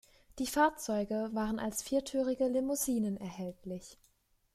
Die Fahrzeuge waren als viertürige Limousinen erhältlich.